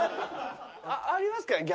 ありますかね？